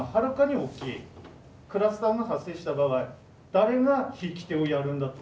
クラスターが発生した場合誰が引き手をやるんだと。